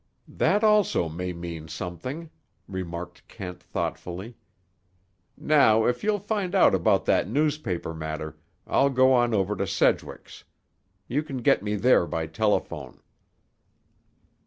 "That also may mean something," remarked Kent thoughtfully. "Now, if you'll find out about that newspaper matter, I'll go on over to Sedgwick's. You can get me there by telephone."